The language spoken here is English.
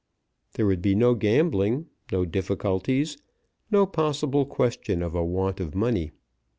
There would be no gambling, no difficulties, no possible question of a want of money.